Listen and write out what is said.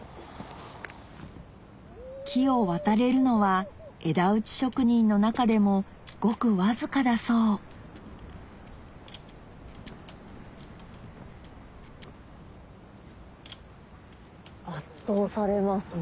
木を渡れるのは枝打ち職人の中でもごくわずかだそう圧倒されますね